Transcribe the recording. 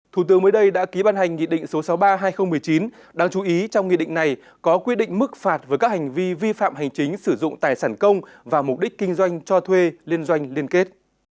thủ tướng mới đây đã ký ban hành nghị định số sáu mươi ba hai nghìn một mươi chín đáng chú ý trong nghị định này có quy định mức phạt với các hành vi vi phạm hành chính sử dụng tài sản công và mục đích kinh doanh cho thuê liên doanh liên kết